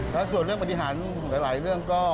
แล้วส่วนเรื่องปฏิหารหลายเรื่องก็